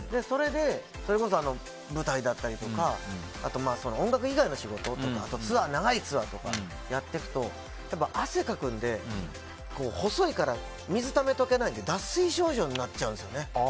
それこそ舞台だったりとか音楽以外の仕事とかあと、長いツアーとかをやっていくと汗かくので、細いから水ためておけないので脱水症状になっちゃうんですよね。